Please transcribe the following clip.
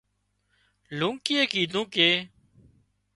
لونڪيئي ڪيڌون ڪي